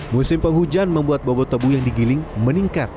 musim penghujan membuat bobot tebu yang digiling meningkat